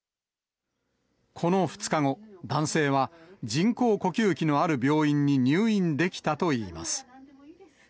この２日後、男性は、人工呼吸器のある病院に入院できたといいます。